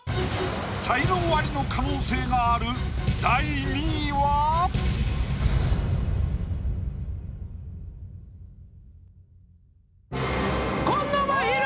才能アリの可能性がある紺野まひる！